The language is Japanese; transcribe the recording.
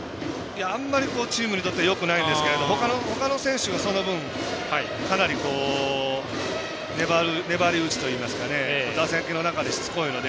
あんまりチームにとってよくないですけど他の選手がその分かなり粘り打ちといいますかね打席の中で、しつこいので。